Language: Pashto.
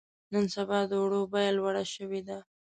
نن سبا د وړو بيه لوړه شوې ده.